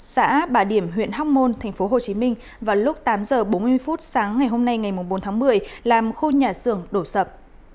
xã bà điểm huyện hóc môn tp hcm vào lúc tám h bốn mươi sáng ngày hôm nay ngày bốn tháng một mươi làm khu nhà sưởng đổ sập